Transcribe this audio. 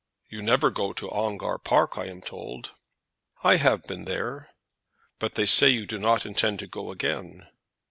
"You never go to Ongar Park, I am told." "I have been there." "But they say you do not intend to go again."